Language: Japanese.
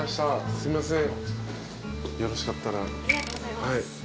すいません。